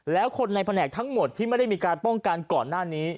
แล้วคนในแผนกทั้งหมดที่ไม่ได้มีการป้องกันก่อนหน้านี้